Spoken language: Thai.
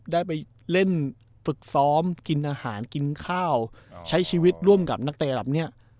ได้ไปเล่นฝึกซ้อมกินอาหารกินข้าวใช้ชีวิตร่วมกับนักเตะเหล่านี้